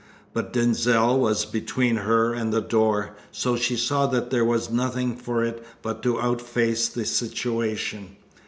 But Denzil was between her and the door, so she saw that there was nothing for it but to outface the situation.